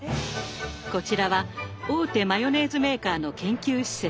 こちらは大手マヨネーズメーカーの研究施設。